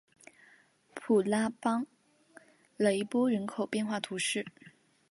普拉邦雷波人口变化图示